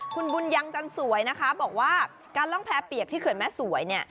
คุณบุญยังจันสวยนะคะบอกว่าการล่องแพ้เปียกที่เขื่อนแม่สวยเนี่ย